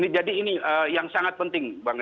jadi ini yang sangat penting